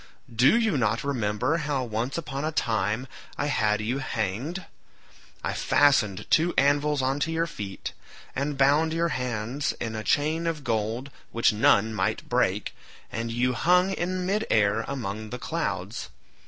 Do you not remember how once upon a time I had you hanged? I fastened two anvils on to your feet, and bound your hands in a chain of gold which none might break, and you hung in mid air among the clouds.